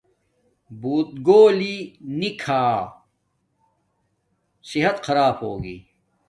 بوت گھولی نی کھا صحت خرب ہوگی